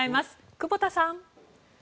久保田さん。